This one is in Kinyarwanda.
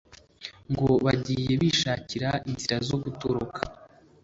ngo bagiye bishakira inzira zo gutoroka